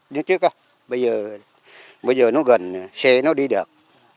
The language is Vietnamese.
nhưng trước đó bây giờ nó gần xe nó đi được